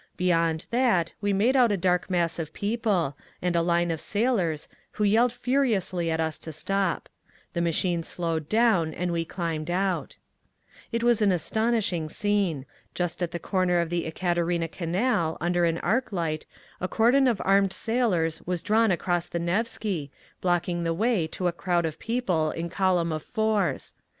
Beyond that we made out a dark mass of people, and a line of sailors, who yelled furiously at us to stop. The machine slowed down, and we climbed out. It was an astonishing scene. Just at the corner of the Ekaterina Canal, under an arc light, a cordon of armed sailors was drawn across the Nevsky, blocking the way to a crowd of people in column of fours.